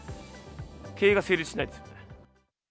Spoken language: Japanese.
経営が成立しないですね。